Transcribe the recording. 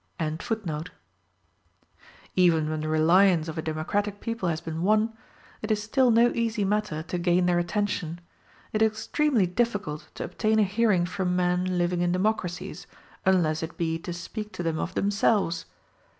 ] Even when the reliance of a democratic people has been won, it is still no easy matter to gain their attention. It is extremely difficult to obtain a hearing from men living in democracies, unless it be to speak to them of themselves.